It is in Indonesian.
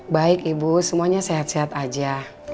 baik ibu semuanya sehat sehat aja